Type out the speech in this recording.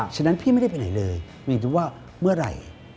ฉะนั้นพี่ไม่ได้ไปไหนเลยมีดูว่าเมื่อไหร่